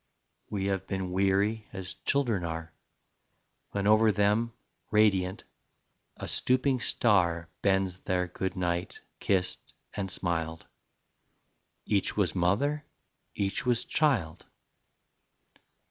We have been weary As children are, When over them, radiant, A stooping star, Bends their Good Night, Kissed and smiled: Each was mother, Each was child.